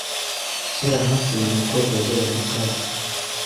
kera hafi buri mukobwa yajyaga muri “club”,